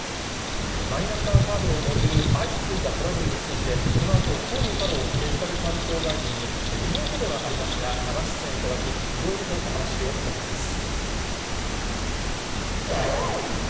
マイナンバーカードを巡る相次いだトラブルについて、このあと、河野太郎デジタル担当大臣に、リモートではありますが、生出演いただき、いろいろとお話を伺います。